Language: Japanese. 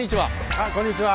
あっこんにちは。